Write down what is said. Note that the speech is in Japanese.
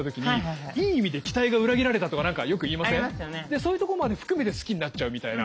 そういうとこまで含めて好きになっちゃうみたいな。